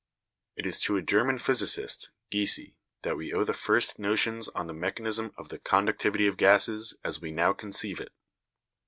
It is to a German physicist, Giese, that we owe the first notions on the mechanism of the conductivity of gases, as we now conceive it.